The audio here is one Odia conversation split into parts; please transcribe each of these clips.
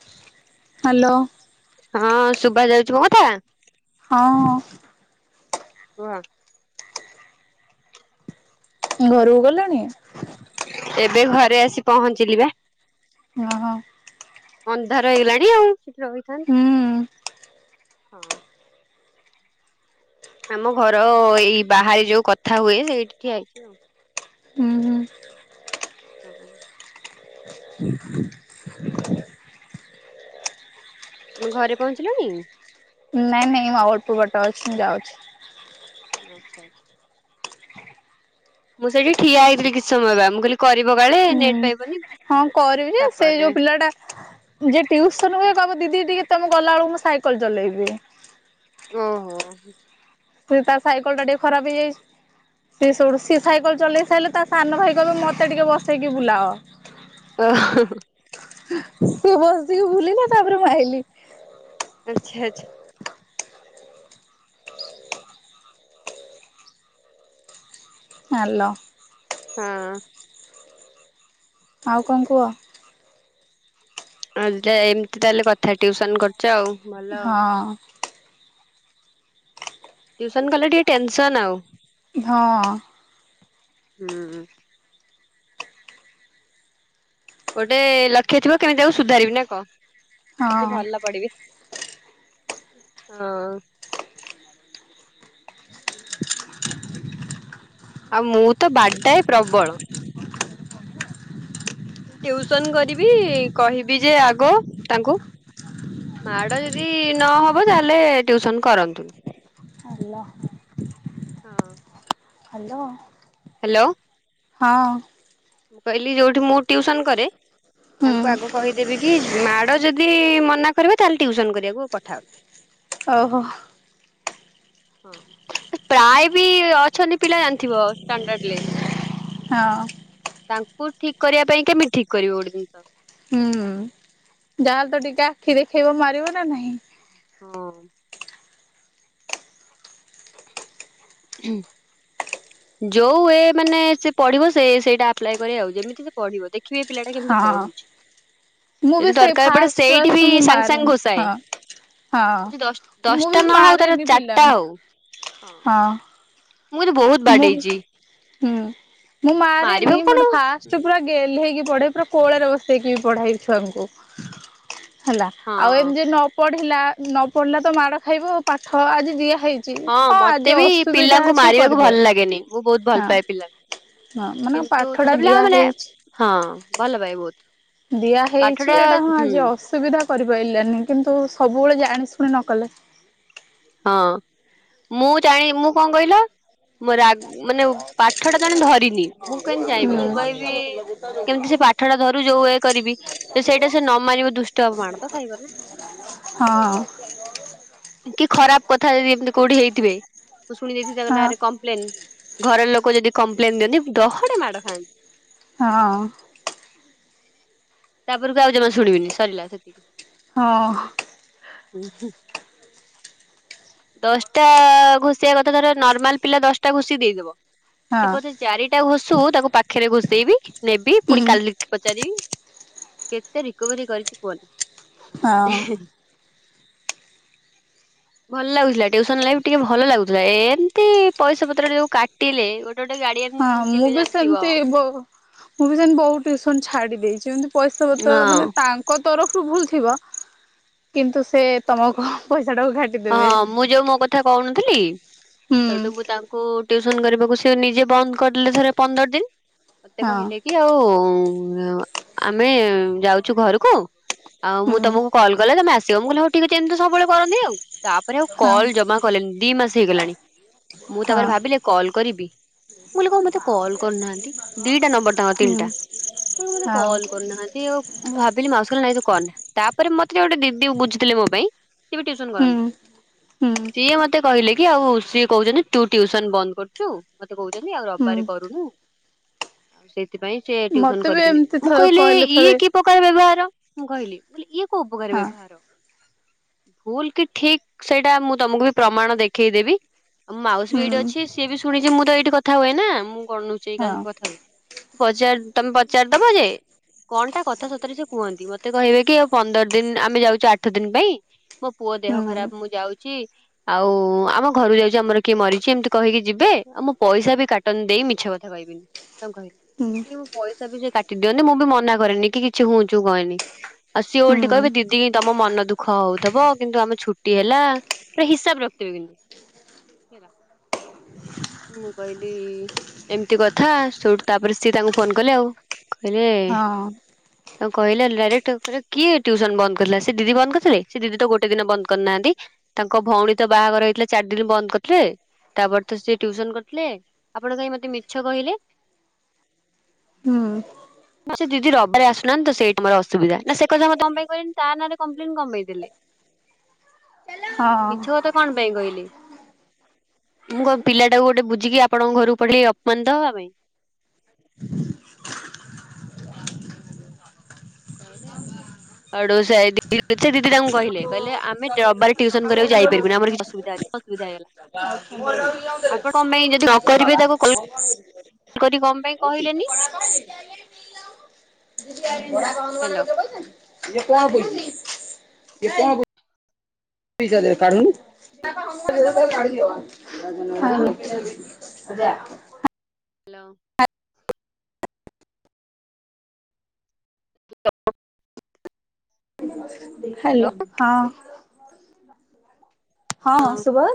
[inaudible] ହାଲୋଁ। ହଁ, ସୁବା ଯାଉଛି ମୋ କଥା? ହଁ ହ କୁହ ଘରକୁ ଗଲଣି? ଏବେ ଘରେ ଆସି ପହଞ୍ଚିଲି ବା। ଓହୋ ଅନ୍ଧାର ହେଇଗଲାଣି ଆଉ ସେଠି ରହିଥାନ୍ତ। ହୁଁ ହଁ ଆମ ଘର ଏଇ ବାହାରେ ଯୋଉ କଥା ହୁଏ ସେଇଠି ଠିଆ ହେଇଛି ଆଉ। ହୁଁ ହୁଁ ହଁ ହ [inaudible] ତମେ ଘରେ ପହଞ୍ଚିଲଣି? ନାଇଁ ନାଇଁ ଆଉ ଅଳ୍ପ ବାଟ ଅଛି ମୁଁ ଯାଉଛି। ଆଚ୍ଛା ଆଚ୍ଛା ମୁଁ ସେଇଠି ଠିଆ ହେଇଥିଲି କିଛି ସମୟ ବା ମୁଁ କହିଲି କରିବ କାଳେ ନେଟ୍ ହୁଁ ପାଇବନି। ହଁ କରିବି ଯେ ସେଇ ତାପରେ ଯୋଉ ପିଲା ଟା ଯିଏ ଟ୍ୟୁସନ ହୁଏ କହିବ ଦିଦି ଟିକେ ତମେ ଗଲାବେଳକୁ ମୁଁ ସାଇକେଲ ଚଲେଇବି। ଓହୋ। ତାର ସାଇକଲଟା ଟିକେ ଖରାପ ହେଇଯାଇଛି। ସି ସୁଉଠୁ ସିଏ ସାଇକଲ ଚଲେଇ ସାଇଲେ ତା ସାନ ଭାଇ କହିବ ମୋତେ ଟିକେ ବସେଇକି ବୁଲାଅ। ଓ ହୋ ସେ ବସିକି ବୁଲିଲା ତାପରେ ମୁଁ ଆଇଲି। ଆଚ୍ଛା ଆ୍ଛା ଆଲୋ ହଁ ଆଉ କଣ କୁହ ଆଉ ଯା ଏମିତି ତାହେଲେ କଥା ଟ୍ୟୁସନ କରୁଛ ଆଉ ଭଲ ଆଉ। ହଁ। ଟ୍ୟୁସନ କଲେ ଟିକେ ଟେନସନ୍ ଆଉ। ହଁ। ହୁଁ। ଗୋଟେ ଲକ୍ଷ୍ୟ ଥିବ କେମିତି ତାକୁ ସୁଧାରିବି ନା କଣ? ହଁ। କେମିତି ଭଲ ପଢ଼ିବି? ହଁ। ଆଉ ମୁଁ ତ ବାଡାଏ ପ୍ରବଳ। ଟ୍ୟୁୟୁସନ କରିବି କହିବି ଯେ ଆଗ ତାଙ୍କୁ ମାଡ ଯଦି ନହବ ତାହେଲେ ଟ୍ୟୁସନ କରନ୍ତୁନି। ହାଲୋ। ହଁ। ହ୍ୟାଲୋ। ହ୍ୟାଲୋ। ହଁ। ମୁଁ କହିଲି ଯୋଉଠି ମୁଁ ଟ୍ୟୁସନ କରେ ତାଙ୍କୁ ହୁଁ। ଆଗ କହିଦେବି କି ମାଡ ଯଦି ମନା କରିବ ତାହେଲେ ଟ୍ୟୁସନ କରିବାକୁ ପଠା। ଓହୋ। ହଁ ପ୍ରାୟ ବି ଅଛନ୍ତି ପିଲା ଜାଣିଥିବ। ଷ୍ଟାଣ୍ଡଡ ଲେସ୍ ହଁ। ତାଙ୍କୁ ଠିକ କରିବା ପାଇଁ କେମିତି ଠିକ କରିବ ଗୋଟେ ଜିନିଷ? ହୁଁ ଯାହା ହେଲେ ତ ଟିକେ ଆଖି ଦେଖେଇବ ମାରିବ ନା ନାହିଁ। ହଁ। ଯୋଉ ଏ ମାନେ ସେ ପଢିବ ସେ ସେଇଟା ଆପ୍ଲାଏ କରିବା ଆଉ ଯେମିତି ପଢିବ ଦେଖିବେ ଏ ପିଲା ଟା କେମିତି ହଁ ପଢୁଛି? ମୁଁ ବି ଯଦି ସେଇ ଦରକାର ପଡେ ଫାଷ୍ଟ ସେଇଠି ଫାଷ୍ଟ ବି ମୁଁ ସାଙ୍ଗେ ସାଙ୍ଗେ ମାରେନି ହଁ ହଁ। ଘୋସାଏ। ମୁଁ ବି ଦଶଟା ନ ହଉ ତାର ମାରେନି ଚାରିଟା ପିଲାଙ୍କୁ ହଉ ହଁ। ମୁଁ କିନ୍ତୁ ବହୁତ ମୁଁ ବାଡେଇଛି ହୁଁ ମୁଁ ମାରେନି ମାରିବାକୁ କଣ ମାନେ ହୁଁ ଫାଷ୍ଟେ ପୁରା ଗେହ୍ଲେଇକି ପଢେ ପୁରା କୋଳରେ ବସେଇକି ପଢାଏ ଛୁଆଙ୍କୁ। ହେଲା ଆଉ ହଁ ଏମିତି ନ ପଢିଲା ନ ପଢିଲା ତ ମାଡ ଖାଇବ ଆ ପାଠ ଆଜି ଦିଆ ହେଇ ହଁ ମତେ ବି ପିଲାଙ୍କୁ ମାରିବା କରିପାରେ ଭଲ ଲାଗେନି ମୁଁ ବହୁତ ଭଲ ହଁ ପାଏ ହଁ ପିଲାଙ୍କୁ ମାନେ ପାଠ କିନ୍ତୁ ଟା ଛୋଟ ପିଲା ଦିଆ ମାନେ ହେଇଛି। ହଁ ଭଲ ପାଏ ବହୁତୁ। ଦିଆ ହେଇଛି ଏଇଟା ହଁ ଆଜି ଅସୁବିଧା କରିପାରିଲାନି କିନ୍ତୁ ସବୁବେଳେ ଜାଣି ଶୁଣି ନ କଲେ ହଁ ମୁଁ ଚାହେଁ ମୁଁ କଣ କହିଲା? ମୋ ରାଗ ମାନେ ପାଠ ଟା ଜଣେ ଧରିନି ମୁଁ କେମିତି ହୁଁ ଚାହିଁବି ମୁଁ ହଁ କହିବି କେମିତି ସେ ପାଠ ଟା ଧରୁ ଯୋଉ ଏ କରିବି ଯେ ସେଇଟା ସେ ନ ମାରିବ ଦୁଷ୍ଟ ହବ୍ ମାଡା ତ ଖାଇବ ନା। ହଁ। କି ଖରାପ କଥା ଯଦି ଏମିତି କୋଉଠି ହେଇଥିବେ ଶୁଣି ଦେଇଥିବି ତାଙ୍କ ନା ହଁ ରେ କ୍ ପ୍ଲେନ ଘର ଲୋକ ଯଦି କମ୍ପ୍ଲେନ ଦିଅନ୍ତି ଦହଡେ ମାଡ଼ ଖାଆନ୍ତି। ହଁ। ତାପରକୁ ଆଉ ଜମା ଶୁଣିବିନି ସରିଲା ସେତିକି। ହଁ। ଉ ହୁଁ। [unintelligible] ଦଶଟା ଘୁଷିବା କଥା ଧର ନର୍ମାଲ ପିଲା ଦଶଟା ଘୁଷି ଦେଇଦବ। ହଁ ସେ ବୋଧେ ଚାରିଟା ଘୋଷୁ ତାକୁ ପାଖରେ ଘୋଷେଇବି ନେବି ପୁଣି ହୁଁ କାଲି ପଚାରିବି। କେତେ ରିକଭରି କରିଛି ହଁ କୁହନି। ଭଲ ଲାଗୁଥିଲା ଟ୍ୟୁସନ ଲାଇଫ ଟିକେ ଭଲ ଲାଗୁଥିଲା। ଏମିତି ପଇସା ପତ୍ର ଯୋଉ କାଟିଲେ ଗୋଟେ ଗୋଟେ ଗାଡିଏନ୍ ହଁ ମୁଁ ବି ସେମିତି ମୁଁ ବି ସେମତି ବହୁ ଟୁସନ ଛାଡି ଦେଇଛି ପଇସା ବ ତ ମାନେ ତାଙ୍କ ଙ୍କ ତରଫରୁ ଭୁଲ ଥିବ କିନ୍ତୁ ସେ ତମକୁ ପଇସା ଟାକୁ ଘାଟି ହଁ ମୁଁ ଯୋଉ ମୋ କଥା କହୁନଥିଲି ହୁଁ ସେଠୁ ମୁ ତା ଟ୍ୟସନ କରିବାକୁ ସେ ନିଜେ ବନ୍ଦ କରିଦଲେ ଥରେ ପନ୍ଦର ଦିନ ମତେ ହଁ କହିଲେ ଇ ଆଉ ଆମେ ଯାଉଛୁ ଘରକୁ ଆଉ ହୁଁ ମୁଁ ତମକୁ କଲ୍ କଲେ ତମେ ଆସିବ ମୁଁ କହିଲଲେ ହଉ ଟିକେ ଯେମିତି ସବୁବେଳେ କରନ୍ତିି ଆଉ ତାପରେ ଆଉ ହଁ କଲ ଜମା କଲେ ଦି ମାସ ହେଇଗଲାଣି ମୁଁ ହଁ ତାପରେ ଭାବିଲି କଲ୍ କରିବି ମୁଁ କହିଲି କଣ ମତେ କଲ୍ କରୁନାହାନ୍ତି ଦିଟା ନମ୍ବର ତାଙ୍କ ହୁଁ ତିନିଟା ଆପଣ ମତେ ହଁ କଲ୍ କରୁନାହାନ୍ତି ଆଉ ମୁଁ ଭାବିଲି ମାଉସର ନାଇଁ ତୁ କନ ତାପରେ ମତେ ଗୋଟେ ଦିଦି ବୁଝିଥିଲ ମୋ ପାଇଁ ସିଏ ବି ଟୁସନ ହୁଁ କରନ୍ତି ହୁଁ ସିଏ ମତେ କହିଲେ କି ଆଉ ସଏ କହୁଛନ୍ତି ତୁ ଟ୍ୟୁସନ ବନ୍ଦ କରୁଛୁ ମତେ କହୁଛନ୍ତି ଆଉ ହୁଁ ରବାରେ କରୁନୁ ଆଉ ସେଇଥିପାଇଁ ସେ ଟଉସନ ମତେ ବି କରିବିନି ଏମିତି ମୁଁ ଥରେ କହିଲେ ଇଏ ଥରେ ଉପକାର ବ୍ୟବହାର ମୁଁ କହିଲି ଇଏ କୋଉ ଉପକାରୀ ହଁ ବ୍ୟବହାର ଭୁଲ କି ଠିକ ସେଇଟା ମୁଁ ତମକୁ ବି ପ୍ରମାଣ ଦେଖେଇଦେବି ଆଉ ମାଉସୀ ବି ହୁଁ ଏଇଠି ଅଛି ସିଏ ବି ଶୁଣିଛି ମୁଁ ତ ଏଇଠି କଥା ହୁଏ ନା ମୁଁ କଣ ନୁଉଛି ଏଇ ହୁଁ କାହାକୁ କଥା ହୁଏ ପଚାର ତମେ ପଚାର ଦବ ଯେ କଣଟା କଥା ସତରେ ସେ କୁହନ୍ତି ମତେ କହିବେ କି ଆଉ ପନ୍ଦର ଦିନ ଆମେ ଯାଉଛୁ ଆଠ ଦିନ ପାଇଁ ମୋ ହୁଁ ହଁ ହଁ। ପୁଅ ଦେହ ଖରାପ ମୁଁ ଯାଉଛି ଆଉ ଆମ ଘରୁ ଯାଉଛି ଆମର କିଏ ମରିଛି ଏମିତି କହିକି ଯିବେ ଆଉ ମୁଁ ପଇସା ବି କାଟନ ଦେଇ ମିଛ କଥା କହିବେ କହିଲି ପଇସା ବି ସେ କାଟି ଦିଅନ୍ତି ମୁଁ ବି ମନା କରେନି କି କିଛି ହଉଛିୁ କହନି ଆଉ ସିଏ ଓଲଟି କହିବ ଦିଦି ତମ ମନ ଦୁଃଖ ହଉଥିବ କିନ୍ତୁ ଆମେଛୁ ହେଲା ପୁରା ହିସାବ ରଖିବେ କିନ୍ତୁ ମୁଁ କହିଲି ଏମିତି କଥା ସେଠୁ ତାପରେ ସିଏ ତାଙ୍କୁ ଫୋନ କଲେ ଆଉ କରେ ତ କହିଲେ ଡାଇରେକ୍ଟ କିଏ ଟ୍ୟୁସନ ବନ୍ଦ କରିଥିଲା ସେ ଦିଦି ବନ୍ଦ କରିଥିଲେ ସେ ଦିଦି ତ ଗୋଟେ ଦିନ ବନ୍ଦ କରିନାହାନ୍ତି ତାଙ୍କ ଭଉଣୀ ତ ବାହାଘର ହେଇଥିଲେ ଚାରି ଦିନ ବନ୍ଦ କରିଥିଲେ ତାପରେ ତ ସେି ଟ୍ୟୁସନ କରିଥିଲେ ଆପଣ କାହିଁ ମତେ ମିଛ କହିଲେ ହଁ ମଁ ସେ ଦିଦି ରବାରେ ଆସୁନାହାନ୍ତି ତ ସେଇଟା ମୋର ଅସୁବିଧା ନା ସେ କଥା ମୋତେ କଣ ପାଇଁ କହିଲେଣି ତା ନାଁରେ କମ୍ପ୍ଲେନ କମ ପାଇଁ ଦେଲେ ମିଛ କଥା କଣ ପାଇଁ କହିଲି ମୁଁ କଣ ପିଲାଟାକୁ ଗୋଟେ ବୁଝିକି ଆପଣଙ୍କ ଘରକୁ ପେପଠେଇଲି ଅପମାନିତ ହେବା ପାଇଁ କହିଲେ ଆଡ ଦିି ସେ ଦିଦି ତାଙ୍କୁ କହିଲେ କହିଲେ ଆମେ ରବାର ଟ୍ୟୁସନ କରିବାକୁାଇପାରିବୁି ଆମର କି ଅସବିଧ ଅୁବିଧା ହେଗଲା କରିବେ ତାକୁ କରି କଣ ପାଇଁ କହିଲେନି ିି ଆ ହନୁମାନ କ ଯ ହ୍ୟାଲୋ କଛନ୍ତି କେ କଣ ବୁ କେ କଣୁ କଣ ଆ ହ୍ୟାଲୋ ହ୍ୟାଲୋ ହଁ ହଁ ହ ଶୁଭ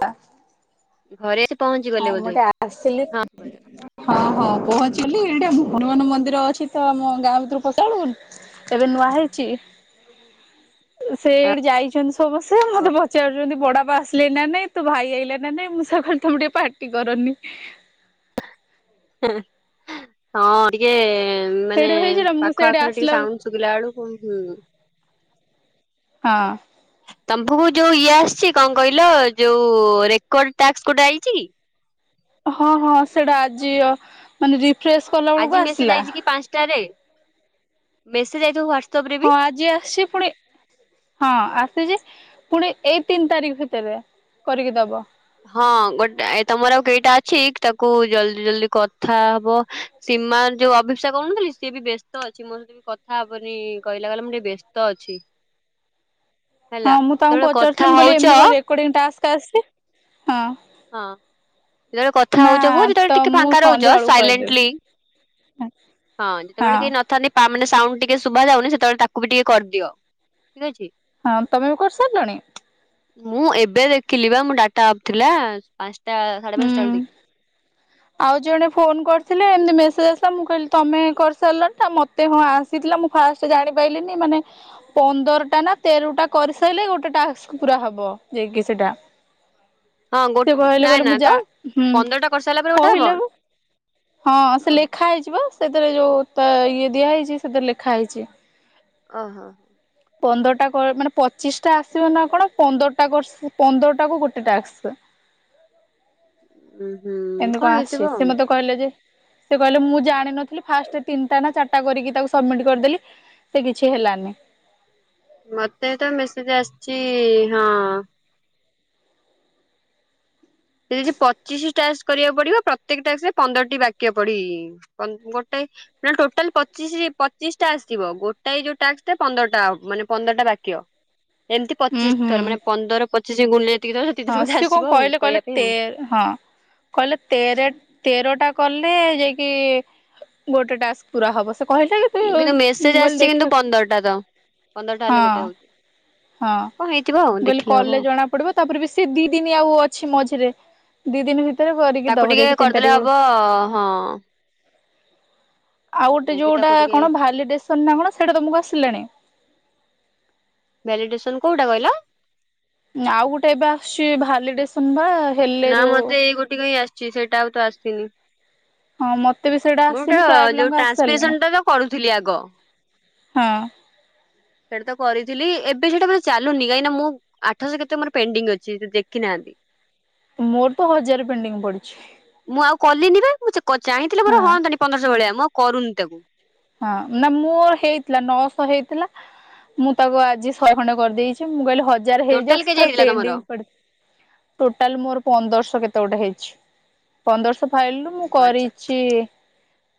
ଘରେ ପହଞ୍ଚି ଗଲେ ବୋଧେ ଟିକେ ଆସିଲି ହଁ ହଁ ହଁ ପହଞ୍ଚିଲି ଏଇଟା ହନୁମାନ ମନ୍ଦିର ଅଛି ତ ଆମ ଗାଁ ଭିତରୁ ପସାଡିବୁନି ଏବେ ନୂଆ ହେଇଛି ସେ ଏଠି ଯାଇଛନ୍ତି ସମସ୍ତେ ମତେ ପଚାରୁଛନ୍ତି ବଡା ବା ଆସ ନା ନାଇଁ ତୁ ଭାଇ ଆଇଲା ନା ନାଇଁ ମୁଁ ସକାଳେ ତମେ ଟିକେ ପାର୍ଟି କରନି ହଁ ଟିକେ ମାନେ ସେଇଠି ହେଇଥିଲା ମୁଁ ପାଖ ସେଇଠି ଆଖରେ ଆସିଲା ଟିକେ ସାଉସ୍ ସୁଭିଲାଆଳୁକୁ ହୁଁ। ହଁ। ତମ୍ଭକୁ ଯୋଉ ଇଏ ଆସିଚି କଣ କହିଲ ଯୋଉ ରେକର୍ଡ ଟାସ୍କ ଗୋଟେ ଆଇଚିକି? ହଁ ହଁ ସେଇଟା ଆଜି ଅ ମାନେ ରିପ୍ ଫ୍ରେସ୍ କଲା ବେଳକୁ ଆଜି ମେସେଜ୍ ଆସିଲା ଆଇଚକି ପାଞ୍ଚଟାରେ ମେସେଜ୍ ଆଇଥିବ ହ୍ବାଟ ହଁ ଆଜି ଆସିଚି ପୁଣି ହଁ ଆସିଚି ପୁଣି ଏଇ ତିନି ତାରିଖ ଭିତରେ କରିକି ଦବ। ହଁ ଗୋଟେ ଏ ତମର ଆଉ କେଇଟା ଅଛି ତାକୁ ଜଲଦି ଜଲଦି କଥା ହବ ସୀମାନ୍ ଯୋଉ ଅଭିିକ୍ସା କହୁନଥିଲି ସିଏ ବି ବ୍ୟସ୍ତ ଅଛି ମୋ କଥା ହବନି କହିଲା କହଲା ମୁଁ ଟିକେ ବ୍ୟସ୍ତ ଅଛି। ହଁ ହେଲା ମୁଁ ତାଙ୍କୁ ଯେତେବେଳେ କଥା ପଚାରୁଥିଲି ମୁଁ କହିଲି ହଉଛ ଏମିତି ହଁ କଣ ରେ ରେକଡିଙ୍ଗ୍ ଟାସ୍କ ଆସିଚି ହଁ। ହଁ ଯେତେବେଳେ କଥା ନା ହଉଚ ହୁହ ଯେତେବେଳେ ତ ଟିକେ ମୁଁ ଫାଙ୍କା ସନ୍ଧ୍ୟା ରହୁଚ ବେଳକୁ ସାଇଲେଣ୍ଟଲି କହିଦେବି ହଁ ଯେତେବେଳେ ହଁ କେହି ନଥାନ୍ତି ତାମାନେ ସାଉଣ୍ଡ୍ ଟିକେ ଶୁଭା ଯାଉନି ସେତେବେଳେ ତାକୁ ବି ଟିକେ କରିଦିଅ ଠିକ୍ ଅଛି। ହଁ ତମେ ବି କରିସାରିଲଣି? ମୁଁ ଏବେ ଦେଖିଲି ବା ମୁଁ ଡାଟା ଅପ୍ ଥିଲା ପାଞ୍ଚଟା ସାଢେ ପାଞ୍ଚଟା ହୁଁ ବେଳକୁ ଦେଖିଲି। ଆଉ ଜଣେ ଫୋନ୍ କରିଥିଲେ ଏମତି ମେସେଜ୍ ଆସିଲା ମୁଁ କହିଲି ତମେ କରିସାରିଲଣି ନା ମ ତେ ହଁ ଆସିଥିଲା ମୁଁ ଫାଷ୍ଟ ଜାଣିପାରିଲିିନି ମାନେ ପନ୍ଦରଟା ନା ତେରଟା କରିସାରିଲେ ଗୋଟେ ଟାସ୍କ ପୁରା ହବ ଯାଇକି ସେଇଟା। ହଁ ଗୋ ସେ କହିଲେ ନାଇଁ କହିଲେ ନା ମୁଁ ଯା ତ ହୁଁ ପନ୍ଦରଟା କରିସାରିଲା ପରେ ଗୋଟେ ହବ କହିଲେ ପା ହଁ ସେ ଓହୋ ଲେଖା ହେଇଯିବା ସେଥିରେ ଯୋଉ ତା ଇଏ ଦିଆ ହେଇଚି ସେଥିରେ ଲେଖା ହେଇଚି। ଓହୋ। ପନ୍ଦରଟା କ ମାନେ ପଚିଶିଟା ଆସିବ ନା କଣ ପନ୍ଦରଟା କର ପନ୍ଦରଟା କୁ ଗୋଟେ ଟାସ୍କ। ଉଁ ହୁଁ ଏମିତି କଣ ଆସିଛି ହେଇଥିବ ସେ ଆଉ। ମତେ କହିଲେ ଯେ ସେ କହିଲେ ମୁଁ ଜାଣିନଥିଲି ଫାଷ୍ଟ ତିନିଟା ନା ଚାରିଟା କରିକି ତାକୁ ସମିଟ୍ କରିଦେଲି। ସେ କିଛି ହେଲାନି। ମତେ ତ ମେସେଜ୍ ଆସିଚି ହଁ। ସେ ଦେଇଚି ପଚିଶି ଟାସ୍କ କରିବାକୁ ପଡ଼ିବ ପ୍ରତ୍ୟେକ ଟାସ୍କରେ ପନ୍ଦର ଟି ବାକ୍ୟ ପଡ଼ି ପନ୍ଦ ଗୋଟେ ମାନେ ଟୋଟାଲ୍ ପଚିଶି ପଚିଶିଟା ଆସିଥିବ ଗୋଟାଏ ଯୋଉ ଟାସ୍କଟା ପନ୍ଦରଟା ହ ମାନେ ପନ୍ଦରଟା ବାକ୍ୟ। ଏମିତି ହୁଁ ପଚିଶି ହୁଁ ଥର ମାନେ ପନ୍ଦର ପଚିଶ ଗୁଣିଲେ ଯେତିକି ଥର ହଁ ସେତିକିଥର ବଧେ ସିଏ କଣ ଆସିବ ଆଉ। କହିଲେ କହିଲେ କହିବା ପାଇଁ ଆଉ। ତେର ହଁ କହିଲେ ତେର ତେରଟା କଲ୍ ରେ ଯାଇକି ଗୋଟେ ଟାସ୍କ ପୁରା ହବ ସେ କହିଲାକି କିନ୍ତୁ ମେସେଜ୍ ଆସିଚି କିନ୍ତୁ ପନ୍ଦରଟା ତ ପନ୍ଦରଟା ହେଲେ ଗୋଟେ ହଁ ହଉଚି। ହଁ ମୁଁ କହିଲି କଲେ ଜଣା ପଡ଼ିବ ତାପରେ ବି ସେ ଦିଦିନି ଆଉ ଅଛି ମଝିରେ ଦିଦିନ ଭିତ ତାକୁ ଟିକେ କରିଦେଲେ ହବ ହଁ। ଆଉ ଗୋଟେ ମୁଁ ବି ଯୋଉଟା ତାକୁ ଟିକେ କଣ ଭାଲିଡେସନ୍ ନା କଣ ସେଇଟା ତମକୁ ଆସିଲାଣି। ଭାଲିଡେସନ୍ କୋଉଟା କଇଲ। ଆଉ ଗୋଟେ ଏବେ ଆସୁଚି ଭାଲିଡେସନ୍ ପା ନା ମତେ ଏଇ ଗୋଟିକ ହିଁ ଆସିଚି ସେଇଟା ଆଉ ତ ଆସିନି। ହଁ ମତେ ବି ସେଇଟା ମୁଁରଟେ ଆସିନି ପ୍ରାୟ ପିଲାଙ୍କୁ ଯୋଉ ଆସି ସାରିଲାଣି ଟ୍ରାନ୍ସପସନ ଟା ତ କରୁଥିଲି ଆଗ। ହଁ। ସେଇଟାତ କରିଥିଲି ଏବେ ସେଇଟା ବଧେ ଚାଲୁନି କାହିଁକି ନା ମୁଁ ଆଠଶ କେତେ ମୋର ପେଣ୍ଡିଙ୍ଗ ଅଛି ସେ ଦେଖିନାହାନ୍ତି। ମୋର ତ ହଜାରେ ପେଣ୍ଡିଙ୍ଗ ପଡିଛି। ମୁଁ ଆଉ କଲିନି ବା ମୁଁ ଚେ କ ଚାହିଁଥିଲେ ମୋର ହଁ ହଅନ୍ତାନି ପନ୍ଦରଶ ଭଳିଆ ମୁଁ କରୁନି ତାକୁ। ହଁ ନା ମୋ ହେଇଥିଲା ନଅଶ ହେଇଥିଲା ମୁଁ ତାକୁ ଆଜି ଶହେ ଖଣ୍ଡେ କରିଦେଇଛି। ଟୁ ମୁଁ କହିଲି ହଜାରେ ଟୋଟାଲ ହେଇଯାଉ ସେ କେଯାଏ ଥାର ହେଇଥିଲା ପେଣ୍ଡି ତମର ପଡୁ। ଟୋଟାଲ ମୋର ପନ୍ଦରଶହ କେତେ ଗୋଟେ ହେଇଛି ପନ୍ଦରଶହ ଫାଇଲରୁ ମୁଁ ଓ ଆଚ୍ଛା କରିଛି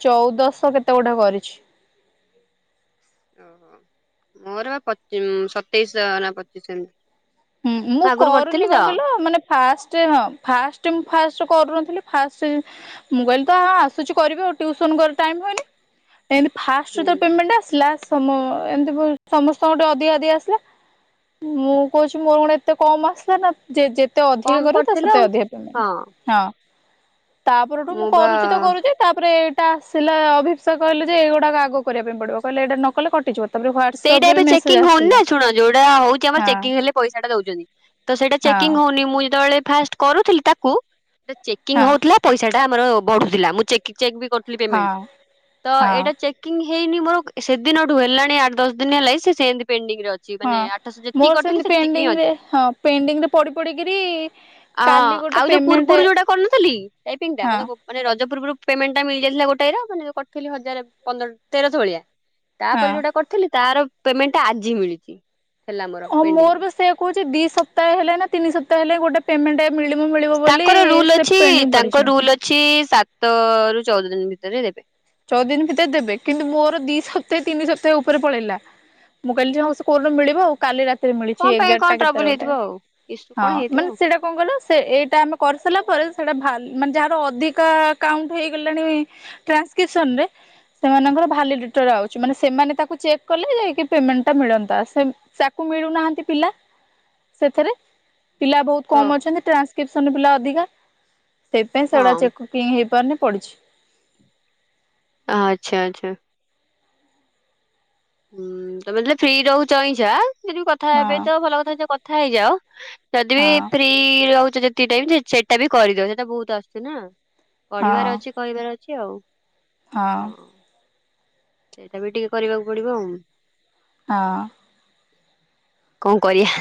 ଚଉଦଶ କେତେ ଗୋଟେ କରିଛି? ଓହୋ ମୋର ବା ପଚି ସତେଇଶ ନା ପଚିଶଶ ଏମିତି। ହୁଁ ମୁଁ ଆଗରୁ କରୁନି କରିଥିଲି ତ। କଣ କହିଲ ମାନେ ଫାଷ୍ଟ ଟାଇମ୍ ହଁ ଫାଷ୍ଟ ଟାଇମ୍ ମୁଁ ଫାଷ୍ଟରୁ କରୁନଥିଲି ଫାଷ୍ଟ ସେଇ ମୁଁ କହିଲି ତ ହଁ ଆସୁଛି କରିବି ଆଉ ଟିଉସନ କରେ ଟାଇମ ହୁଏନି। ଏମତି ଫାଷ୍ଟରୁ ହୁଁ ଯୋଉ ପେମେଣ୍ଟ ଟା ଆସିଲା ତମ ଏମିତି ପ ସମସ୍ତଙ୍କ ଟିକେ ଅଧିକା ଅଧିକା ଆସିଲା ମୁଁ କହୁଛି ମୋର କଣ ଏତେ କମ୍ ଆସିଲା ନା ଯେ ଯେତେ କମ ଅଧିକା କରିବ ତାର କରିଥିଲି ସେତେ ଆଉ ଅଧିକା ହଁ ପେମେଣ୍ଟ ହଁ। ତାପରଠୁଁ ମୁଁ କରୁଛି ତ କରୁଛି। ତାପରେ ଏଇଟା ଆସିଲା ଅଭିିପ୍ସା କହିଲା ଯେ ଏଇଗୁଡାକ ଆଗ କରିବା ପାଇଁ ପଡିବ କହିଲା ଏଇଟା ନ କଲେ କଟିଯିବ ତାପରେ ହ୍ୱାଟ୍ସଆପ ସେଇଟା ରେ ଏବେ ବି ମେସେଜ ଚେକିଂ ହଉନି ନା ଆସିଲା ଶୁଣ ଯୋଉଟା ହଉଛି ଆମର ହଁ ଚେକିଂ ହେଲେ ପଇସାଟା ଦଉଚନ୍ତି ତ ସେଇଟା ଚେକିଂ ହଁ ହଉନି ମୁଁ ଯେତବେଳେ ଫାଷ୍ଟ କରୁଥିଲି ତାକୁ ସେ ଚେକିଂ ହଁ ହଉଥିଲା ପଇସାଟା ଆମର ବଢୁଥିଲା ମୁଁ ଚେକି ଚେକ୍ ବିକର ଫ୍ଲି ହଁ ପେମେଣ୍ଟ ତ ହଁ ଏଇଟା ଚେକିଂ ହେଇନି ମୋର ସେଦିନଠୁ ହେଲାଣି ଆଠ ଦଶ ଦିନ ହେଲାଇଁ ସେ ସେମତି ପେଣ୍ଡିଙ୍ଗ୍ ରେ ଅ ହଁ ମୋର ସେମି ପେଣ୍ଡିଂରେ ଅଛି। ହଁ ପେଣ୍ଡିଂରେ ପଡି ପଡିକିରି ଆଁ କାଲି ଗୋଟେ ଆଉ ଯୋଉ ପେମେଣ୍ଟ ପୂର୍ବୁରୁ ଯୋଉଟା କରୁନଥିଲି ଟାଇପିଙ୍ଗ୍ ଟା ହଁ ମାନେ କୋ ମାନେ ରଜପୁର୍ବରୁ ପେମେଣ୍ଟ ଟା ମିଳିଯାଇଥିଲା ଗୋଟାଏ ର ମାନେ ଯୋଉ କରିଥିଲି ହଜାର ପନ୍ଦର ତେରଶ ଭଳିଆ। ହଁ ତାପରେ ଯୋଉଟା କରିଥିଲି ତାର ପେମେଣ୍ଟଟା ଆଜି ମିଳିଚି। ହଁ ମୋର ବା ସେୟା କହୁଚି ଦି ସପ୍ତାହେ ହେଲା ନା ତିନି ସପ୍ତାହେ ହେଲାଇଁ ଗୋଟେ ପେମେଣ୍ଟଟେ ମିଳିବ ମିଳିବ ବୋଲି ତାଙ୍କର ରୁଲ ସେ ଅଛି ପେଣ୍ଡିଙ୍ଗ ତାଙ୍କ ପଡିଛି ରୁଲ ଅଛି ସାତ ରୁ ଚଉଦ ଦିନ ଭିତରେ ଦେବେ। ଚଉଦ ଦିନ ଭିତରେ ଦେବେ କିନ୍ତୁ ମୋର ଦି ସପ୍ତାହେ ତିନି ସପ୍ତାହେ ଉପରେ ପଳେଇଲା। ମୁଁ କହିଲି ଯେ ହଉ ସେ କୋଉଦିନ ଗୋଟେ ମିଳିବ ଆଉ କାଲି ରାତ୍ କୁ କଣ ମିଳିଛି ପାଇଁ କଣ ଏଗାରଟା ଟ୍ରବୁଲ କେତେରେ ଗୋଟେ ହେଇଥିବ ଆଉ ଇସୁ ହଁ କଣ ହେଇଥିବ ମାନେ ଆଉ। ସେଡା କଁ କହିଲ ସେ ଏଇଟା ଆମେ କରିସାରିଲା ପରେ ସେଇଟା ଭାଲ ମାନେ ଯାହାର ଅଧିକା କାଉଣ୍ଟ ହେଇଗଲାଣି ଟ୍ରାନ୍ସକ୍ରିପସନରେ। ସେମାନଙ୍କର ଭାଲିଡେଟର ଆଉଛି ମାନେ ସେମାନେ ତାକୁ ଚେକ୍ କଲେ ଯାଇକି ପେମେଣ୍ଟ ଟା ମିଳନ୍ତା ସେ ସା କୁ ମିଳୁନାହାନ୍ତି ପିଲା ସେଥେରେ। ପିଲା ବହୁତ ହଁ କମ ହଁ। ଅଛନ୍ତି ଟ୍ରାନ୍ସକ୍ରିପସନରେ ପିଲା ଅଧିକା ସେଇଥିପାଇଁ ସେଗୁଡା ହଁ ଚେକ୍ କରୁ କିଂ ହେଇପାରୁନି ପଡିଛି। ଆ ଆଚ୍ଛା ଆଚ୍ଛା। ହୁଁ ତମେ ଯେତେବେଳେ ଫ୍ରି ରହୁଛ ଅଇଁଛା ଯଦି ବି କଥା ହଁ ହେବେ ତ ଭଲ କଥା ଯେ କଥା ହେଇଯାଅ। ଯଦି ବି ହଁ ପ୍ରି ରହୁଛ ଯେତିିକି ଟାଇମ ଯେ ସେଇଟା ବି କରିଦଅ ସେଇଟା ବହୁତ ଆସୁଛି ନା। ହଁ ପଢିବାର ଅଛି କହିବାର ଅଛି ଆଉ। ହଁ। ସେଇଟା ବି ଟିକେ କରିବାକୁ ପଡିବ ଆଉ। ହଁ। କଁ କରିଆ?